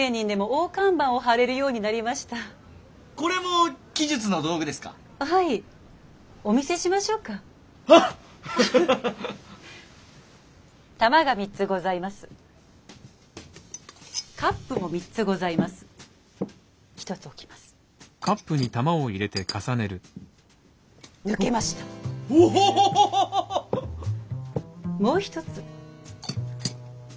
もう一つ。